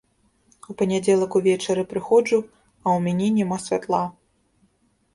У панядзелак увечары прыходжу, а ў мяне няма святла.